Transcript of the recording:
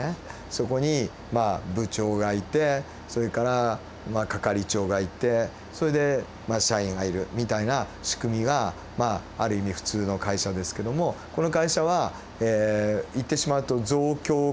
そこにまあ部長がいてそれから係長がいてそれで社員がいるみたいな仕組みがある意味普通の会社ですけどもこの会社は言ってしまうと増強機構が出来てる訳ですね。